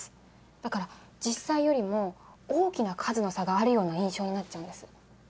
だから実際よりも大きな数の差があるような印象になっちゃうんです。